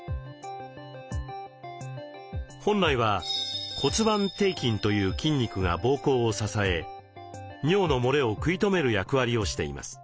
本来は骨盤底筋という筋肉が膀胱を支え尿のもれを食い止める役割をしています。